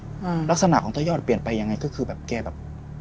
อืมลักษณะของตะยอดเปลี่ยนไปยังไงก็คือแบบแกแบบ